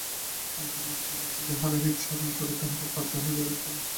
আমাদের মধ্যে বাকী যাহারা হিতসাধন করি, তাহারা বাধ্য হইয়াই ঐরূপ করি।